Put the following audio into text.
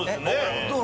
どう？